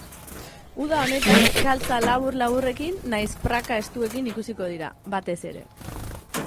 Uda honetan, galtza labur-laburrekin nahiz praka estuekin ikusiko dira, batez ere.